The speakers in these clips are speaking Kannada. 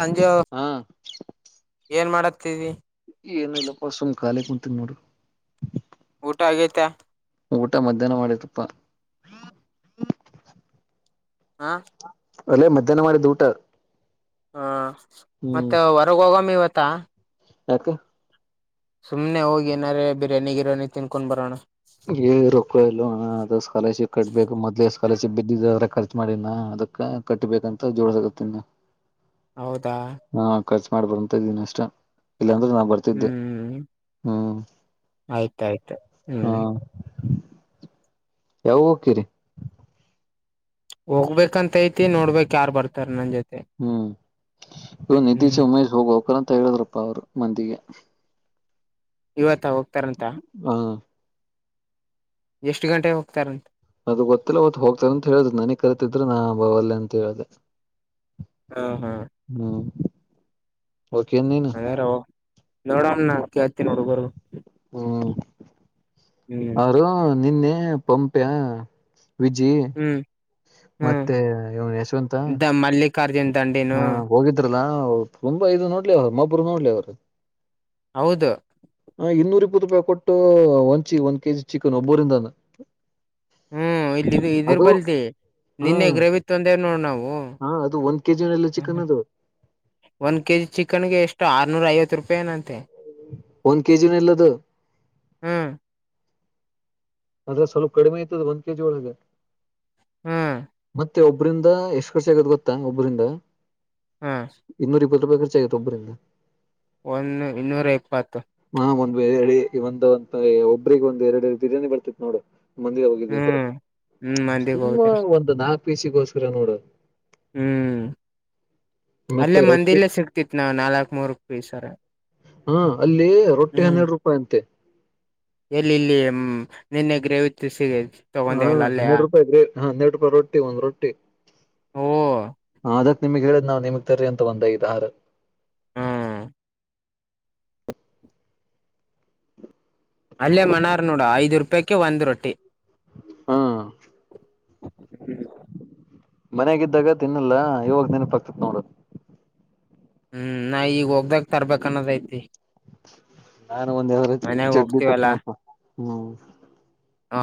ಸಂಜೆ ಹಾ ಏನ್ ಮಾಡತ್ತೀವಿ. ಏನ್ ಇಲ್ಲಪ್ಪ ಸುಮ್ ಖಾಲಿ ಕುಂತೀನ್ ನೋಡಿ ಟಾ ಆಗೈತ್ ಊಟ ಮಧ್ಯಾಹ್ನ ಮಾಡಿದಪ್ಪ. ಆ ಅಲ್ಲೇ ಮಧ್ಯಾಹ್ನ ಮಾಡಿದ್ದ್ ಊಟ. ಹಾ ಮತ್ತೆ ಹೊರಗ್ ಹೋಗಮ್ಮ ಇವ ತ್ತಾ ಯಕ್ ಸುಮ್ನೆ ಹೋಗಿ ಏನಾರೆ ಬಿರ್ಯಾನಿ ಗಿರ್ಯಾನಿ ತಿನ್ಕೊಂಡ್ ಬರೋಣ. ಏ ರೊಕ್ಕ ಇಲ್ಲೋಣ ಅದ್ ಸ್ಕಾಲರ್ಶಿಪ್ ಕಟ್ಬೇಕು ಮೊದ್ಲೇ ಸ್ಕಾಲರ್ಶಿಪ್ ಬಿದ್ದಿದ್ದ ಅದ್ರಾಗ್ ಖರ್ಚು ಮಾಡಿನ ಅದಕ್ಕ್ ಕಟ್ಟಬೇಕಂತ್ ಜೋಡಸಗತ್ತೀನಿ. ಹೌದಾ ಖರ್ಚು ಮಾಡಬಾಡ್ದಂತ್ ಇದ್ದಿನ್ ಅಷ್ಟೆ. ಇಲ್ಲಾಂದ್ರೆ ನಾ ಬರ್ತಿದ್ದೆ ಹ್ಮ್ ಹ್ಮ್ ಆಯ್ತಾಯ್ತು ಹ್ಮ್ ಹ್ಮ. ಯಾವಗ್ ಹೋಗ್ಕಿರಿ. ಹೋಗ್ಬೇಕಂತ್ ಐತಿ ನೋಡ್ಬಕ್ ಯಾರ್ ಬರ್ತಾರ್ ನನ್ ಜೊತೆ. ಹ್ಮ್ ಇ ನೀತಿಶ್ ಹ್ಮ್ ಉಮೇಶ ಹೋಗ್ ಹೊಗ್ಕರಂತ್ ತ ಹೇಳಿದ್ರಪ್ಪ ಅವರು ಮಂದಿಗೆ ಇವತ್ತ ಹ ತರಂತ ಹ ಎಷ್ಟ್ ಗಂಟೆ ಹೋಗ್ತಾರೆ. ಅದು ಗೊತ್ತಿಲ್ಲ ಅವತ್ತು ಹೋಗ್ತಾರ ಅಂತ್ ಹೇಳುದ್ರು ನನಗ್ ಕರಿತಿದ್ರು ನಾ ಅ ಬಾ ವಲ್ಲೇ ಅಂತ ಹೇಳ್ದ. ಹಾ ಹಾ ಓಕೆ ನೀನು ಅದೇರೋ ನೋಡಣ್ಣ. ಕೇಳ್ ತಿ ನೋಡು ಬರು ಆದ್ರೂನು ನಿನ್ನೆ. ಹ ಪಂಪ್ಯಾ. ವಿಜಿ ಹ್ಮ್ ಮತ್ತೆ ಇವ ಯಶವಂತ. ಕಾರ್ಯನ್ ಹ್ಮ ಹೋಗಿದ್ರ ಲಾ ತುಂಬಾ ಇದು ನೋಡ್ಲೆ ಅವ್ರು ಮೊಬರು ನೋಡ್ಲೆ ಅವರು. ಹೌದ. ಇಪ್ಪತ್ತು ರೂಪಾಯಿ ಕೊಟ್ಟು ಒಂದ ಚೀ ಒಂದ್ ಕೆಜಿ ಚಿಕನ್ ಒಬ್ಬರಿಂದಾನ. ಹ್ಮ್ ಇಲ್ಲಿ ಇದ್ ಇದ್ರ ಬಲ್ತಿ ಹಾ ನಿನ್ನೆ ಗ್ರವಿ ತೊಂದೆ ನೋಣ ನಾವು. ಹಾ ಅದು ಒಂದ್ ಕೆಜಿನೆಲ್ಲ ಹು ಚಿಕನ್ ಅದು ಒನ್ ಕೆಜಿ ಚಿಕನ್ ಗೆ ಎಷ್ಟು ಆ ನ್ನೂರ ಐವತ್ ರೂಪಾಯಿಏನಂತೆ. ಒಂದ ಕೆಜಿನಿಲ್ಲದು. ಹ್ಮ್ ಅದ ಸ್ವಲ್ಪ ಕಡಿಮೆ ಐತಿ ಅದ ಒಂದ್ ಕೆಜಿ ಒಳಗ. ಹ್ಮ್. ಮತ್ತೆ ಒಬ್ಬರಿಂದ ಎಷ್ಟು ಖರ್ಚು ಆಗತ್ತ ಗೊತ್ತಾ ಒಬ್ಬ್ರಿಂದ. ಹ್ಮ. [unintelligible] ಖರ್ಚ ಆಗೇತಿ ಒಬ್ಬರಿಂದ. ಒನ್ನು ಇನ್ನೂರ ಇಪ್ಪತ್ತ. ಹಾ ಒಂದ್ ಎಳಿ ಇವಂದ ಅಂತ ಒಬ್ರಿಗೆ ಒಂದ್ ಎರಡು ಬಿರಿಯಾನಿ ಬರ್ತಿತ್ ನೋಡು. ಮಂದಿಗೆ ಹೋಗಿದ್ದಿದ್ರೆ ಹ್ಮ್ ಹ್ಮ್ ಮಂದಿಗ್ ಸುಮ್ಮ ಹೋಗ್ತಾರೆ ಒಂದು ನಾಕ ಪಿಸಿ ಗೋಸ್ಕರ ನ್ನೋಡದ. ಹ್ಮ್ ಮತ್ತೆ ಅಲ್ಲೇ ರೊಟ್ಟಿ ಮಂದಿಲ್ಲೇ ಸಿಗ್ತಿತ್ ನಾವ್ ನಾಲ್ಕ್ ಮೂರ್ ಪೀಸರ. ಹಾ ಅಲ್ಲಿ ರೊಟ್ಟಿ ಹ್ಮ್ ಹನ್ನೆರಡು ರೂಪಾಯಿ ಅಂತೆ. ಎಲ್ಲಿ ಇಲ್ಲಿ ನಿನ್ನೆ ಗ್ರೇವಿ ತಿರ್ಸಿವಿ. ಹಾ ಹನ್ನೆರಡ್ ರೂಪಾಯಿ ಗ್ರೇವ್ ಹಾ ಹನ್ನೆರೆಡು ರೂಪಾಯಿ ರೊಟ್ಟಿ ಒಂದು ರೊಟ್ಟಿ. ಓ ಹಾ ಅದ ನಿಮಗ್ ಹೇಳಿದ್ ನಾವ್ ನಿಮಗ್ ತರಿ ಅಂತ ಒಂದ ಐದಾರ್. ಹ್ಮ್. ಅಲ್ಲೇ ಮನಾರ್ ನೋಡ ಐದ್ ರೂಪಾಯ್ ಕೆ ಒಂದ್ ರೊಟ್ಟಿ. ಹಾ. ಹ್ಮ್. ಮನೆಗಿದ್ದಾಗ ತಿನ್ನಲ್ಲ ಇವಾಗ ನೆನಪ ಆಗ್ತತ್ ನೋಡು. ಹ್ಮ್ ನಾ ಈಗ ಹೋಗ್ದಾಗ ತರ್ಬೇಕ್ ಅನ್ನೋದೈತಿ. ನಾನು ಒಂದ ಎ ಮನ್ಯಾಗ ಚಡ್ಡಿ ಹೋಗ್ತಿವಲ್ಲಾ ತತ್ತಿನಪ್ಪ ಹ್ಮ್. ಹಾ.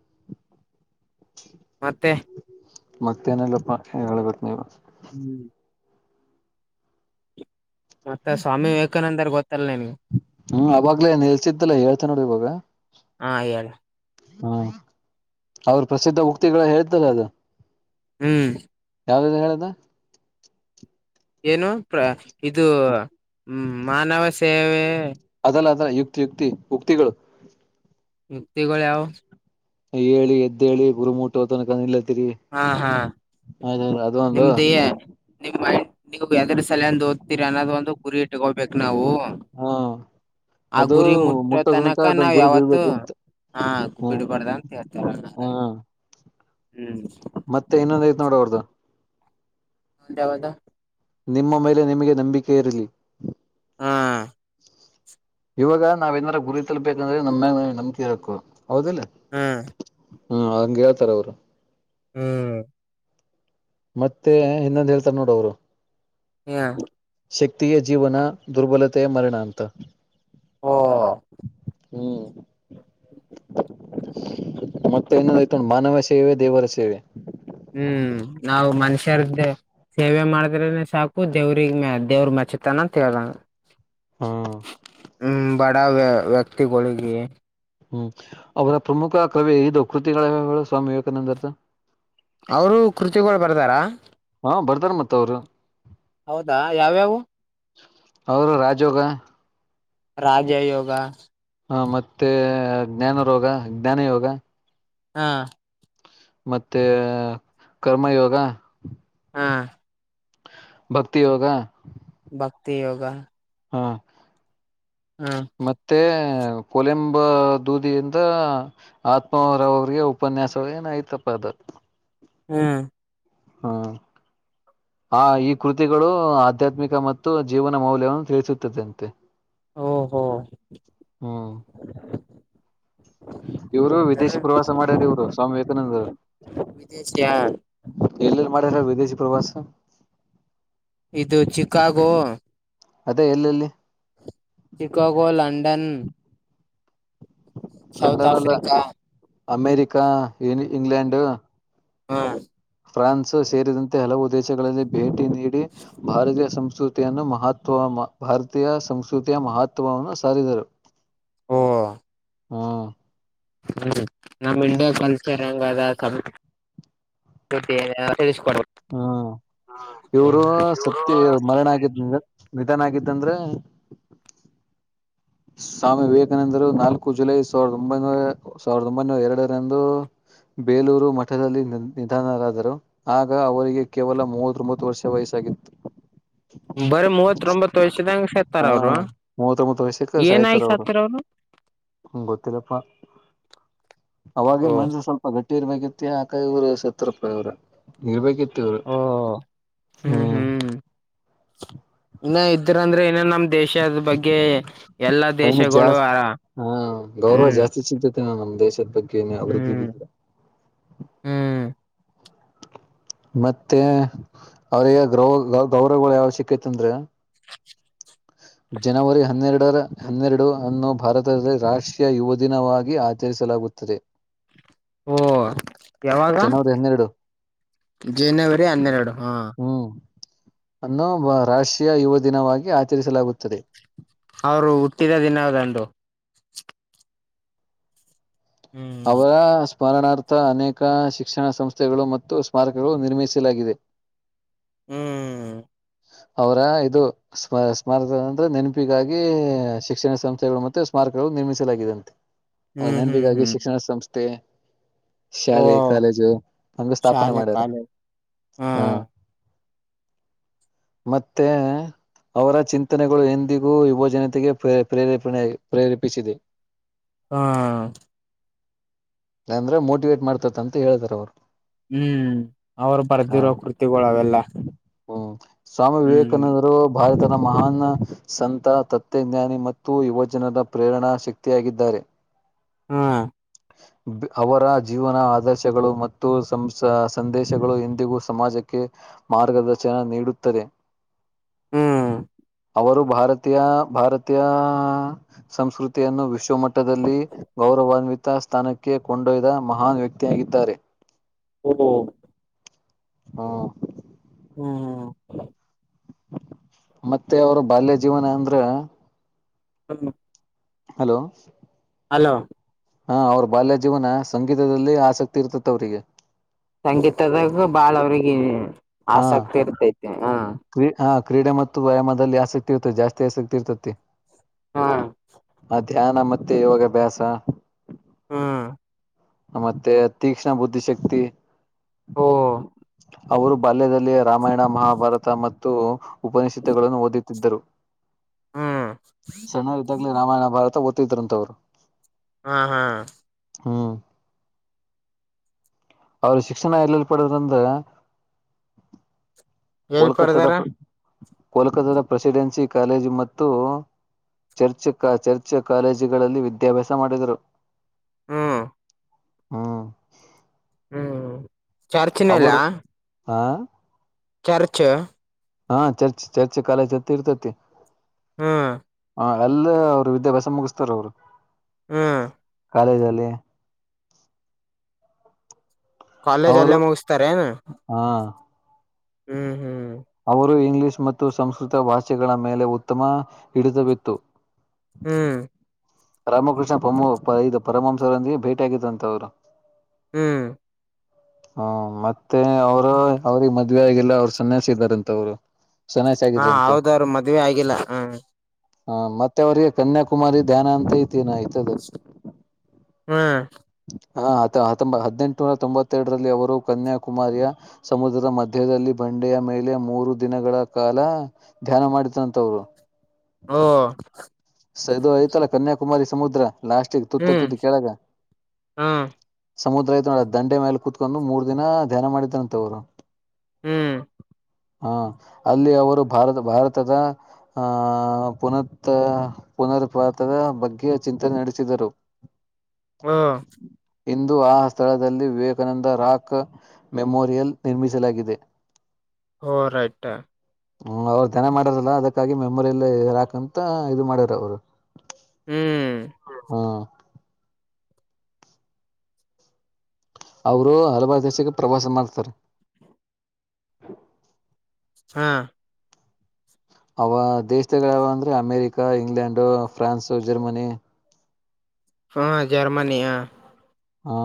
[unintelligible] ಮತ್ತೆ. ಮತ್ತೇನಿಲ್ಲಪ್ಪಾ ಹೇಳ್ಬೇಕ ನೀವು. ಹ್ಮ್. ಮತ್ತ ಸ್ವಾಮಿ ಹ್ಮ್ ವಿವೇಕಾನಂದರ್ ಗೊತ್ತಲ್ಲ ನಿನ್ಗೆ ಅವಾಗ್ಲೇ ನಿಲ್ಸಿದ್ದಲ್ಲ ಹೇಳ್ತೇ ನೋಡ ಇವಾಗ. ಹಾ ಹೇಳ ಹಾ ಅವ್ರ ಪ್ರಸಿದ್ಧ ಉಕ್ತಿಗಳು ಹೇಳ್ತಲ್ಲ ಅದು. ಹ್ಮ್. ಯಾವ್ದದು ಹೇಳದ. ಏನು ಪ್ರ ಇದು ಮಾನವ ಸೇವೆ. ಅಲ್ಲ ಅದಲ್ಲ ಯುಕ್ತಿ ಯುಕ್ತಿ ಉಕ್ತಿಗಳು. ಮುಕ್ತಿಗಳು ಯಾವು. ಹೇಳಿ ಎದ್ದೇಳಿ ಗುರಿ ಮಟ್ಟುವ ತನಕ ನಿಲ್. ಹಾ ಹಾ ಅದು ಒಂದು ನಿಮ್ದೇಹ ನಿಮ್ ಮೈಂಡ್. ನೀವು ಯಾದರ ಸಲೆಯಂದ ಓದ್ತೀರಿ ಅನ್ನೋದ ಒಂದು ಗುರಿ ಇಟ್ಟಕೊಬೇಕು ನಾವು. ಹಾ ಆ ಅದು ಗುರಿ ಮುಟ್ಟೋ ತನಕ ಅದನ್ ನಾವ್ ಗುರಿ ಯಾವತ್ತುೂ ಬೀಳ್ಬೇಕ್ರಿ ಅಂತ ಹ ಬಿಡ್ಬಾರ್ದ ಅಂತ ಹ ಹೇಳ್ತರ. [inaudible] ಹ್ಮ್. ಮತ್ತೆ ಇನ್ನೊಂದ್ ಐತ್ ನೋಡ ಅವರ್ದ. ಅದ್ಯಾವದ. ನಿಮ್ಮ ಮೇಲೆ ನಿಮಗೆ ನಂಬಿಕೆ ಇರಲಿ. ಹಾ. ಇವಾಗ ನಾವ್ ಏನಾರ ಗುರಿ ತಲ್ಬೇಕಂದ್ರೆ ನಮ್ಮ ನಮ್ಕ ಇರಕ್ಕು. ಹೌದಿಲ್ಲ. ಹ್ಮ್ ಹ್ಮ ಹಂಗೆ ಹೇಳ್ತಾರ ಅವ್ರು. ಹ್ಮ್. ಮತ್ತೆ ಇನ್ನೊಂದು್ ಹೇಳ್ತಾರ ನೋಡು ಅವರು. ಹಾ. ಶಕ್ತಿಯೆ ಜೀವನ ದುರ್ಬಲತೆಯ ಮರಣಾ ಅಂತ. ಓಓ. ಹ್ಮ್ ಮತ್ತೆ ಇನ್ನೊಂದಯ್ತ್ ನೋಡ್ ಮಾನವ ಸೇವೆ ದೇವರ ಸೇವೆ. ಹ್ಮ್ ನಾವು ಮನುಷ್ಯರ್ದ ಸೇವೆ ಮಾಡಿದ್ರನೆ ಸಾಕು ದೇವ್ರಿಗೆ ಮ ದೇವ್ರ ಮಚ್ಚತಾನ ಕೆಳ. ಹಾ ಹ್ಮ ಬಡ ವ್ಯ ವ್ಯಕ್ತಿಗಳಿಗೆ. ಹ್ಮ್ ಅವರ ಪ್ರಮುಖ ಕವಿ ಇದು ಕೃತಿಗಳ ಹೇಳು ಸ್ವಾಮಿ ವಿವೇಕಾನಂದರ್ದು. ಅವರು ಕೃತಿಗಳು ಬರದಾರ. ಹ ಬರ್ದಾರ್ ಮತ್ ಅವರು ಹೌದಾ ಯಾವ್ಯಾವು ಅವರು ರಾಜೋಗ ರಾಜ ಯೋಗ ಹ ಮತ್ತೆ ಜ್ಞಾನ ರೋಗ ಜ್ಞಾನ ಯೋಗ. ಹಾ ಮತ್ತೆ ಕರ್ಮಯೋಗ. ಹಾ ಭಕ್ತಿ ಯೋಗ. ಭಕ್ತಿ ಯೋಗ ಹಾ ಹಾ ಮತ್ತೆ ಕೊಲೆಂಬ್ ದೂದಿಯಿಂದ್ ಆತ್ಮವರ್ ಅವಿಗೆ ಉಪನ್ಯಾಸ ಏನೊ ಆಐ್ತಪ್ಪ ಅದು ಹ್ಮ್ ಹ್ಮ್ ಆ ಈ ಕೃತಿಗಳು ಆಧ್ಯಾತ್ಮಿಕ ಮತ್ತು ಜೀವನ ಮೌಲ್ಯವನ್ನು ತಿಳಿಸುತ್ತದೆ ಅಂತೆ ಓ ಹೋ ಹ್ಮ ಹ ಇವರು ವಿದೇಶಿ ಪ್ರವಾಸ್ ಮಾಡ್ಯದ ಇವ್ರು ಸ್ವಾಮಿ ವಿವೇಕಾನಂದರು ವಿದೇಶಿಯ ಎ ಮಾಡ ವಿದೇಶಿ ಪ್ರವಾಸ. ಇದು ಚಿಕಾಗೋ ಅದೇ ಎಲ್ಲೆಲ್ಲಿ Chicago London South Africa America ಕ ಇ ಇಂಗ್ಲೆಂಡ್. ಹಾ ಫ್ರಾನ್ಸ್ ಸೇರಿದಂತೆ ಹಲವು ದೇಶಗಳಲ್ಲಿ ಭೇಟಿ ನೀಡಿ ಭಾರತೀಯ ಸಂಸ್ಕೃತಿಯನ್ನು ಮಹತ್ವ ಭಾರತೀಯ ಸಂಸ್ಕೃತಿಯ ಮಹತ್ವವನ್ನು ಸಾರಿದರು. ಹ್ಮ ಹ ನಮ್ ಇಂಡ್ ಕಲ್ಚರ್ ದ ಸಂಟ್ಟ [unintelligible] ಹ್ಮ ಇವರು ಸತ್ತಿ ಮರಣ ಆಗಿದ್ನ ಚನಾಗಿತ್ತಂದ್ರೆ ಸ್ವಾಮಿ ವಿವೇಕಾನಂದರು ನಾಲ್ಕು ಜುಲೈ ಸಾವಿರದ ಒಂಬೈನೂರ ಸಾವಿರದ ಒಂಬೈನೂರ ಎರಡರಂದು ಬೇಲೂರು ಮಠದಲ್ಲಿ ನಿ ನಿಧನರಾದರು ಆಗ ಅವರಿಗೆ ಕೇವಲ ಮೂವತ್ ಬತ್ತು ವರ್ಷ ವಯಸ್ಸಾಗಿತ್ತು. ಬರೀ ಮೂವತ್ ಬತ್ತು ವಯಸದಂಗ ಸಾತಾರ ಹಾ ಅವರು. ಮೂವತ್ತೊಂಬತ್ತು ಏನಾಯ್ ಸತ್ತಿರ್ ಅವರು ಹ್ಮ ಗೊತ್ತಿಲ್ಲಪ್ಪ. ಅವಾಗೆ ಓ ಮನ್ಸು ಸ್ವಲ್ಪ ಗಟ್ಟಿ ಇಟ್ಟಿ ಇರ್ಬೇಕಿತ್ತ್ ಆಕಾಯಿ ರು ಸತ್ರ್ ರಪ್ಪಾಯಿರು ಇರ್ಬೇಕಿತ್ತು. ಓ ಹ್ಮ್ ಹ್ಮ ಇಲ್ಲ ಇದ್ರೆ ಅಂದ್ರೆ ನೇನ್ ನಮ್ದ ದೇಶದ ಬಗ್ಗೆ ಎಲ್ಲಾ ಇನ್ನು ದೇಶಗಳು ಜಾಸ್ತಿ ಆ ಹ್ಮ್. ನಮ್ಮ್ ದೇಶದ ಬಗ್ಗೆ ಅವರು ಹ್ಮ್ ಹ್ಮ್ ಮತ್ತೆ ಅವ್ರಿಗೆ ಗೌ ಗೌರವಗಳು ಯಾವ್ ಸಿಕ್ಕೇತ್ ಅಂದ್ರೆ. ಜನವರಿ ಹನ್ನೆರಡರ್ ಹನ್ನೆರಡು ಅನ್ನು ಭಾರತದಲ್ಲಿ ರಾಷ್ಟ್ರೀಯ ಯುವ್ ದಿನವಾಗಿ ಆಚರಿಸಲಾಗುತ್ತದೆ. ಓ ಯಾವಾಗ ಜನವರಿ ಹನ್ನೆರಡು ಜನವರಿ ಹನ್ನೆರಡು ಹಾ. ಹ್ಮ್ ಅನ್ನು ರಾಷ್ಟ್ರೀಯ ಯುವ ದಿನವಾಗಿ ಆಚರಿಸಲಾಗುತ್ತದೆ. ಅವರು ಹುಟ್ಟಿದ ದಿನ ದಂದು. ಅವರ ಸ್ಮರಣಾರ್ಥ ಅನೇಕ್ ಶಿಕ್ಷಣ ಸಂಸ್ಥೆಗಳು ಮತ್ತು ಸ್ಮಾರಕಗಳು ನಿರ್ಮಿಸಲಾಗಿದೆ. ಹ್ಮ್ ಅವರ ಇದ್ಮ ಸ್ಮಾರಕ ಅಂದ್ರೆ ನೆನಪಿಗಾಗಿ ಶಿಕ್ಷಣ ಸಂಸ್ಥೆಗಳು ಮತ್ತೆ ಸ್ಮಾರಕಗಳು ನಿರ್ಮಿಸಲಾಗಿದೆಂತೆ. ಹ ಹ್ಮ್ ಹ್ಮ್ ನೆನ್ಪಿಗಾಗಿ ಹ್ಮ್ ಶಿಕ್ಷಣ ಸಂಸ್ಥೆ ತ್ತೆ ಓ ಶಾಲೆ ಕಾಲೇಜು ಹಂಗ್ ಸ್ಥಾಪನೆ ಶಾಲೆ ಮಾಡ್ಯಾರ ಕಾಲೇಜ್ ಹಾ. ಮತ್ತೆ ಅವರ ಚಿಂತನೆಗಳು ಎಂದಿಗೂ ಯುವ ಜನತೆಗೆ ಪ್ರ ಪ್ರೇರೇಪಣೆ ಪ್ರೇರೇಪಿಸಿದೆ. ಹ್ಮ ಇಲ್ಲಂದ್ರೆ ಮೋಟಿವೇಟ್ ಮಾಡ್ತೇತಿ ಅಂತ ಹೇಳೇಳ್ತಾರ ಅವರು ಹ್ಮ್ ಅವ್ರು ಬರ್ದಿರೋ ಕೃತಿಗಳು ಅವೆಲ್ಲ. ಹ್ಮ ಸ್ವಾಮಿ ಹ್ಮ್ ವಿವೇಕಾನಂದರು ಭಾರತದ ಮಹಾನ್ ಸಂತ ತತ್ವಜ್ಞಾನಿ ಮತ್ತು ಯುವಜನರ ಪ್ರೇರಣಾ ಶಕ್ತಿಯಾಗಿದ್ದಾರೆ. ಹ್ಮ ಅವರ ಜೀವನ ಆದರ್ಶಗಳು ಮತ್ತು ಸಂ ಸಂದೇಶಗಳು ಎಂದಿಗೂ ಸಮಾಜಕ್ಕೆ ಮಾರ್ಗದರ್ಶ ಚನ್ ನೀಡುತ್ತದೆ ಹ್ಮ್ ಅವರು ಭಾರತೀಯ ಭಾರತೀಯ ಸಂಸ್ಕೃತಿಯನ್ನು ವಿಶ್ವ [inaudible] ಮಟ್ಟದಲ್ಲಿ ಗೌರವಾನ್ವಿತ ತ ಸ್ಥಾನಕ್ಕೆ ಕೊಂಡೊಯ್ದ ಮಹಾನ್ ವ್ಯಕ್ತಿಯಾಗಿದ್ದಾರೆ. [inaudible] ಓ [inaudible] ಹಾ ಹ್ಮು ಮತ್ತೆ ಅವ್ರ ಬಾಲ್ಯ ಜೀವನ ಅಂದ್ರ [inaudible] ಹಲೋ ಹಲೋ ಹಾ ಅವ್ರ ಬಾಲ್ಯ ಜೀವನ ಸಂಗೀತದಲ್ಲಿ ಆಸಕ್ತಿ ಇರ್ತತ್ ಅವ್ರಿಗೆ. ಸಂಗೀತದಾಗ ಬಾಳ ಅವ್ರಿಗಿ ಹ ಆಸಕ್ತಿ ಇರ್ತೈತೆ ಹಾ. ಕ್ರೀ ಹ ಕ್ರೀಡೆ ಮತ್ತು ವ್ಯಾಯಾಮದಲ್ಲಿ ಆಸಕ್ತಿ ಇರ್ತತಿ ಜಾಸ್ತಿ ಆಸಕ್ತಿ ಇರ್ತತಿ. ಹಾ ಅದ್ ಧ್ಯಾನ ಮತ್ತೆ ಯೋಗಾಭ್ಯಾಸ. ಹ್ಮ ಮತ್ತೆ ತೀಕ್ಷ್ಣ ಬುದ್ಧಿಶಕ್ತಿ. ಓ ಅವರು ಬಾಲ್ಯದಲ್ಲಿ ರಾಮಾಯಣ ಮಹಾಭಾರತ ಮತ್ತು ಉಪನಿಷತ್ತುಗಳನ್ನು ಓದುತ್ತಿದ್ದರು. ಹ್ಮ್ ಸಣ್ಣವರಿದ್ದಾಗ್ಲೂ ರಾಮಾಯಣ ಭಾರತ ಒದ್ ದ್ತಿದ್ರಂತ ಅವ್ರು. ಹಾ ಹಾ ಹ್ಮ್ ಅವ್ರು ಶಿಕ್ಷಣ ಎಲ್ಲಲ್ಲಿ ಪಡೆದಂದ್ರೆ, ಎಲ್ಲಿ ಕೊಲ್ಕತ್ತದ ಪರದಾರ ಪ್ ಕೋಲ್ಕತಾದ ಪ್ರೆಸಿಡೆನ್ಸಿ ಕಾಲೇಜು ಮತ್ತು ಚರ್ಚ್ ಕ ಚರ್ಚ್ ಕಾಲೇಜುಗಳಲ್ಲಿ ವಿದ್ಯಾಭ್ಯಾಸ ಮಾಡಿದರು. ಹ್ಮ ಹ್ಮ್ ಹ್ಮ್ ಚೊರ್ಚಿನೊಲ್ಲ. ಅವರು ಹ ಚರ್ಚು. ಹಾ ಚರ್ಚ್ ಚರ್ಚ್ ಕಾಲೇಜತ್ತ್ ಇರ್ತೈತಿ. ಹ್ಮ್ ಹ ಅಲ್ಲೇ ಅವ್ರು ವಿದ್ಯಾಭ್ಯಾಸ ಮುಗಿಸ್ತಾರವ್ರು. ಹ್ಮ್ ಕಾಲೇಜಲ್ಲಿ. ಕಾಲೇಜ್ ಅವರು ಅಲ್ಲೇ ಮುಗಿಸ್ತಾರೇನು? ಹ ಹ್ಮ್ ಹ್ಮ್ ಅವ್ರು ಇ ಇಂಗ್ಲಿಷ್ ಮತ್ತು ಸಂಸ್ಕೃತ ಭಾಷೆಗಳ ಮೇಲೆ ಉತ್ತಮ ಹಿಡಿತುವಿತ್ತು. ಹ್ಮ್ ರಾಮಕೃಷ್ಣ ಪಮ್ ಇದು ಪರಮಂಸರೊಂದಿಗೆ ಭೇಟಿಿಯಗತ್ತು ಅಂತ್ ಅವ್ರು. ಹ್ಮ್ ಹಾ ಮತ್ತೆ ಮತ್ತೆ ಅವ್ರ ಅವ್ರಿಗೆ ಮ ಆಗಲ್ಲ ಅವರು ಸನ್ಯಾಸಿ ರಂತ ಅವ್ರು ಹಾ ಹೌದ್ರರು ಮದ್ವೆ ಆಗಿಲ್ಲ ಹ ಹ ಮತ್ತೆ ಅವ್ರಿಗೆ ಕನ್ಯಾಕುಮಾರಿ ಧ್ಯಾನ ಅಂತ ಐತಿನ ಐತದು ಹ್ಮ ಹ ಹ ಹಂಬ ಹದ್ ಟುನೂರ್ ತೊಂಬತ್ತೆರರಲ್ಲಿ ಅವರು ಕನ್ಯಾಕುಮಾರಿಯ ಸಮುದ್ರದ ಮಧ್ಯದಲ್ಲಿ ಬಂಡೆಯ ಮೇಲೆ ಮೂರು ದಿನಗಳ ಕಾಲ ಧ್ಯಾನ ಮಾಡಿದಂತವ್ರು. ಹ್ಮ ಸ ಇದು ಐ್ತಲ್ಲಾ ಕನ್ಯಾಕುಮಾರಿ ಸಮುದ್ರ. ಲಾಸ್ಟಿಗೆ ತುತ್ತ ಹ್ಮ್ ತುತ್ತಿ ಕೆಳಗೆ ಹ್ಮ್ ಸಮುದ್ರಐ ನೋಡ್ ದಂಡೆ ಮೇಲೆ ಕುೂತ್ಕೊಂಡು ಮೂರ್ ದಿನ ಧ್ಯಾನ ಮಾಡಿದಾರಂತವ್ರು. ಹ್ಮ್ ಹಾ ಅಲ್ಲಿ ಅವರು ಭಾರತ ಭಾರತದ ಆಹ ಪುನತ್ ಪುನರ್ಪತದ ಬಗ್ಗೆ ಚಿಂತನೆ ನಡೆಸಿದರು. ಹ್ಮ್ ಇಂದು ಆ ಸ್ಥಳದಲ್ಲಿ ವಿವೇಕಾನಂದ ರಾಕ್ ಮೆಮೋರಿಯಲ್ ನಿರ್ಮಿಸಲಾಗಿದೆ. ಹೋ ರೈಟ್ ಹ್ಮ್ ಅವ್ರರು ದನ ಮಾಡಾರಲ್ಲ ಅದಕ್ಕಾಗಿ ಮೆಮೊರಿಯಲ್ಲ ಹಾಕಂತ ಇದು ಮಾಡಾರ್ ಇ ಅವ ಹ್ಮ್ ಹಾ ಅವರು ಹಲವಾರು ದೇಶಕ್ಕೆ ಪ್ರವಾಸ ಮಾಡ್ತಾರೆ. ಹಾ ಅವ ದೇಶದಗಳಾವ ಅಂದ್ರೆ ಅಮೇರಿಕ ಇಂಗ್ಲೆಂಡು ಫ್ರಾನ್ಸ್ ಜರ್ಮನಿ ಹ ಜಾರಮಾನಿ ಆ ಹಾ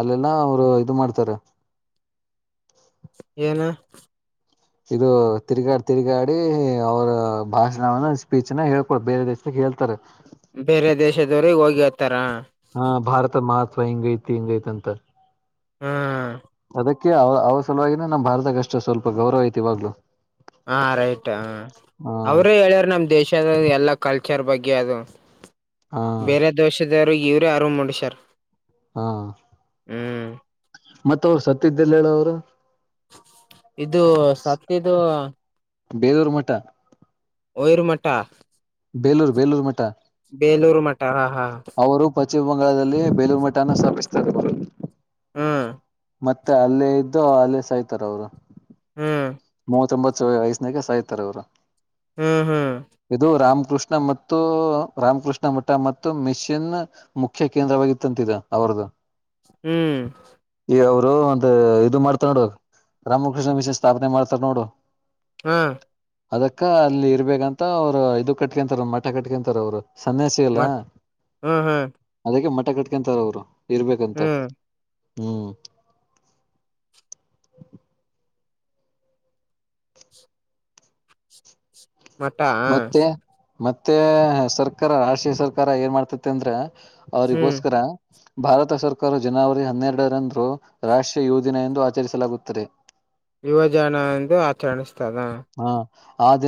ಅಲ್ಲೆಲ್ಲ ಅವರ್ ಇದ್ ಮಾಡ್ತಾರೆ. ಏನು. ಇದು ತಿರುಗಾಡಿ ತಿರುಗಾಡಿ ಅವರ್ ಭಾಷಣನ್ನ ಸ್ಪೀಚ್ನ ಹೇಳ್ಕೊಡ್ ಬೇರೆ ದೇಶಕ್ಕೆ ಹೇಳ್ತಾರೆ. ಬೇರೆ ದೇಶದವ್ರ ಹೋಗಿ ಹೆಲ್ತಾರೆ. ಅಥವಾ ಹಿಂಗೈತಿ ಹಿಂಗೈತ್ಂತ ಹ್ಮ್ ಅದಕ್ಕೆ ಅವ್ ಸಲುವಾಗಿನೇ ನಮ್ಮ್ ಭಾರತಕ್ಕ ಅಷ್ಟೇ ಸ್ವಲ್ಪ ಗೌರವ ಐತಿ ಇವಾಗಲು. ಹ ರೈಟ್ ಹ ಅವ್ರೇ ಹೇಳ್ಯಾರ ನಮ್ ದೇಶದ ಎಲ್ಲ ಕಲ್ಚರ್ ಬಗ್ಗೆ ಅದು ಹಾ ಬೇರೆ ದೋಷದವರು ಇವರು ಆರ್ವ ಮೂಡಿಷರ್ ಹಾ ಮತ್ತ್ ಅವ್ರ ಸ ಗತ್ತಿದ್ದಲ್ಲೇಣ ಅವ್ರು ಇದು ಸತ್ಯಿದು ಬೇದೂರು ಮಠ ಯರ್ಮಟ ಬೇಲೂರು ಬೇಲೂರು ಮಠ. ಬೇಲೂರು ಮಠ ಹಾ ಹಾ. ಅವರು ಪಶ್ಚಿಮ ಬಂಗಾಳದಲ್ಲಿ ಬೇಲೂರು ಮಟ್ಟನ ಸ್ಥಪಿಸ್ತ ಬರುದು [inaudible] ಹ್ಮ್ ಮತ್ತೆ ಅಲ್ಲೇ ಇದ್ದು ಅಲ್ಲೇ ಸಾಯ್ತಾರ ಅವರು. ಹ್ಮ್ ಮೂವತ್ತೊಂಬತ್ತು ವಯಸ್ಸನಾಗ್ ಸಾಯ್ತಾರೆ ಅವ್ರು. ಹ್ಮ್ ಹ್ಮ್ ಇದು ರಾಮ ರಾಮ ಕೃಷ್ಣ ಮತ್ತು ರಾಮಕೃಷ್ಣ ಮಠ ಮತ್ತು ಮಿಷನ್ ಮುಖ್ಯ ಕೇಂದ್ರವಾಗಿತ್ತಂತಿದೆ ಇದು ಅವರದು. ಹ್ಮ್ ಅವರು ಒಂದು ಇದು ಮಾಡ್ತಾರೆ ನೋಡ್ ರಾಮಕೃಷ್ಣ ಮಿಷನ್ ಸ್ಥಾಪನೆ ಮಾಡ್ತಾರೆ. ತ ನೋಡು ಹಾ ಅದಕ್ಕ ಅಲ್ಲಿ ಇರ್ಬೇಕಂತ್ ಅವ್ರು ಇದು ಕಟ್ಕೊಂತಾರ ಮಠ ಕಟ್ಕೊಂತರ ಅವ್ರು. ಸನ್ಯಸಿ ಅಲ್ವಾ ಮತ್ ಹ್ಮ್ ಹ್ಮ್ ಅದಕ್ಕೆ ಮ ಕಟ್ಕಂತಾರ ಅವರು. ಇರ್ಬೇಕಂತೆ ಹ್ಮ್ ಹ್ಮ್ ಮಟಾ ಮತ್ತೆ ಮತ್ತೆ ಸರ್ಕಾರ ರಾಷ್ಟ್ರೀಯ ಸರ್ಕಾರ ಏನ್ ಮಾಡ್ತತಿ ಅಂದ್ರೆ. ಹ್ಮ್ ಅವರಿಗೋಸ್ಕರ. ಭಾರತ ಸರ್ಕಾರ ಜನವರಿ ಹನ್ನೆರಡರಂದು ರಾಷ್ಟ್ರೀಯ ಯುವ ದಿನ ಎಂದು ಆಚರಿಸಲಾಗುತ್ತದೆ. ಯುವಜನ ಎಂದು ಆಚರಣಿಸ್ತದ. ಆದದೇ